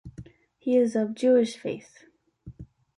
He is of Jewish faith.